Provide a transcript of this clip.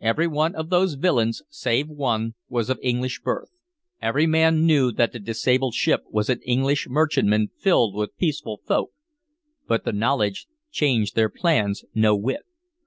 Every man of those villains, save one, was of English birth; every man knew that the disabled ship was an English merchantman filled with peaceful folk, but the knowledge changed their plans no whit.